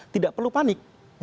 tidak perlu panik